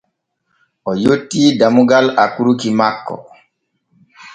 O yottii dammugal akurki makko.